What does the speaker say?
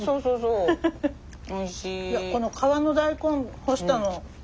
この皮の大根干したの。